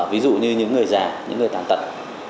ví dụ như những người già những người tàn tật